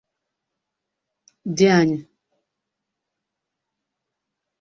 Dianyị